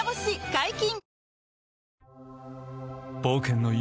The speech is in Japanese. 解禁‼